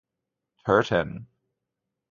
Turton.